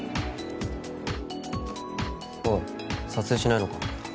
おい撮影しないのか？